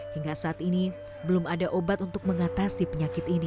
hingga saat ini belum ada obat untuk mengatasi penyakit ini